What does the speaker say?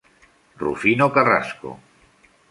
Rufino Carrasco.